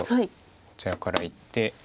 こちらからいって。